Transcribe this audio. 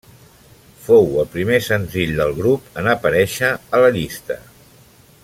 Fou el primer senzill del grup en aparèixer a la llista.